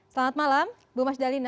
selamat malam bu mas dalina